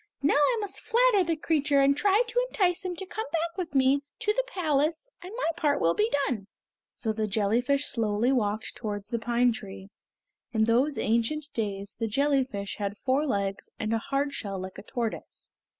"Now I must flatter the creature and try to entice him to come back with me to the palace, and my part will be done!" So the jellyfish slowly walked towards the pine tree. In those ancient days the jellyfish had four legs and a hard shell like a tortoise.